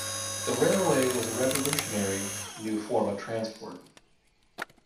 The railway was a revolutionary new form of transport.